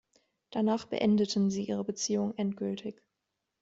Danach beendeten sie ihre Beziehung endgültig.